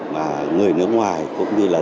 mà người nước ngoài cũng như là